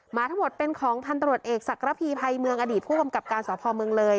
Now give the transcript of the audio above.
หมาทั้งหมดเป็นของพันตรวจเอกศักรพีภัยเมืองอดีตผู้กำกับการสพเมืองเลย